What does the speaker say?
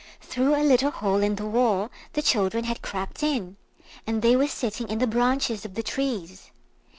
Through a little hole in the wall the children had crept in, and they were sitting in the branches of the trees.